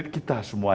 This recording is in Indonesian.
ini titik asir rendah